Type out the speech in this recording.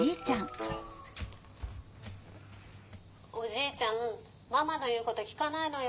「おじいちゃんママの言うこと聞かないのよ。